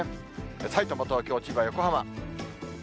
さいたま、東京、千葉、横浜。